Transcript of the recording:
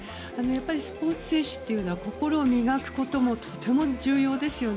スポーツ選手というのは心を磨くこともとても重要ですよね。